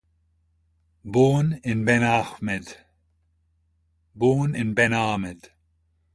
Born in Ben Ahmed.